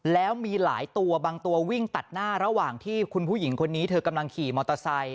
แล้วมีหลายตัวบางตัววิ่งตัดหน้าระหว่างที่คุณผู้หญิงคนนี้เธอกำลังขี่มอเตอร์ไซค